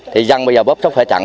thì dân bây giờ bóp sốc phải chẳng